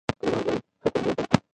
کلیوالو ویل: ښه خونه یې جوړه کړه.